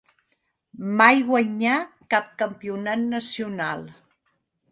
Mai guanyà cap campionat nacional.